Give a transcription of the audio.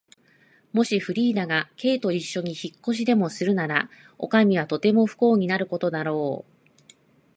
もしフリーダが Ｋ といっしょに引っ越しでもするなら、おかみはとても不幸になることだろう。